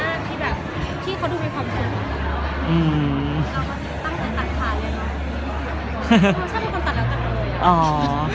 ถ้าเป็นคนตัดเราน่ารเลย